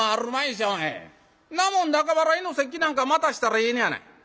そんなもん中払の節季なんか待たしたらええのやない」。